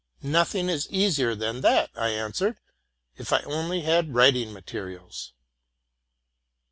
'' Nothing is easier than that,'' I answered, 'if I only had writing materials.